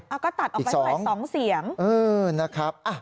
อ้าก็ตัดออกไปด้วย๒เสียง